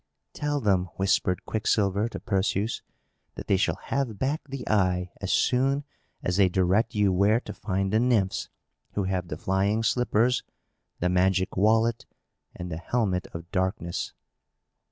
"Tell them," whispered Quicksilver to Perseus, "that they shall have back the eye as soon as they direct you where to find the Nymphs who have the flying slippers, the magic wallet, and the helmet of darkness."